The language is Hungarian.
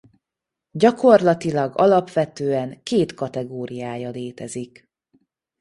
Gyakorlatilag alapvetően két kategóriája létezik.